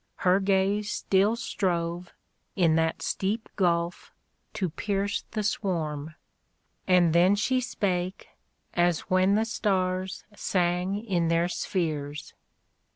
Her gaze still strove. In that steep gulph, to pierce The swarm : and then she spake, as when The stars sang in their spheres.